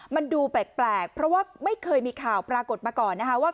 มันดูแปลกเพราะว่าไม่เคยมีข่าวปรากฏมาก่อนนะคะว่า